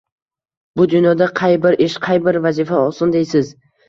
Bu dunyoda qay bir ish, qay bir vazifa oson, deysiz